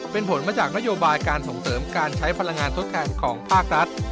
เป็นผลมาจากนโยบายการส่งเสริมการใช้พลังงานทดแทนของภาครัฐ